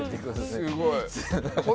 すごい。